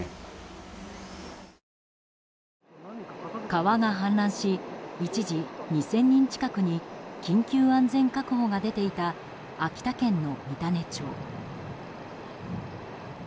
川が氾濫し一時２０００人近くに緊急安全確保が出ていた秋田県の三種町。